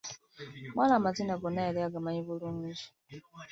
Omuwala amazina gonna yali agamanyi bulungi.